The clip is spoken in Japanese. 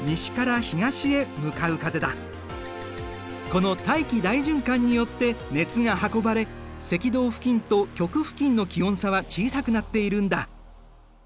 この大気大循環によって熱が運ばれ赤道付近と極付近の気温差は小さくなっているんだ。